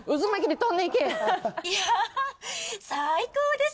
いやー、最高です。